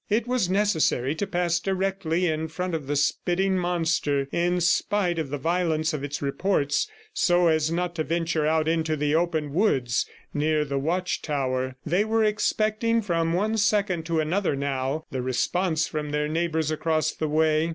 It was necessary to pass directly in front of the spitting monster, in spite of the violence of its reports, so as not to venture out into the open woods near the watch tower. They were expecting from one second to another now, the response from their neighbors across the way.